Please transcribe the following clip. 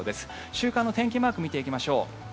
週間の天気マーク見ていきましょう。